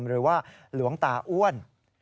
หรือว่าหลวงตาอ้วน